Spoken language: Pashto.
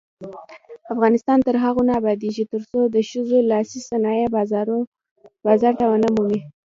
افغانستان تر هغو نه ابادیږي، ترڅو د ښځو لاسي صنایع بازار ونه مومي.